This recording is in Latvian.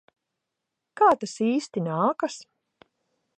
Kā tas īsti nākas?